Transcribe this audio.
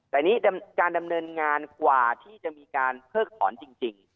แต่นี่การดำเนินงานกว่าที่จะมีการเพิกถอนจริง